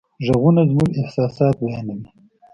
غږونه زموږ احساسات بیانوي.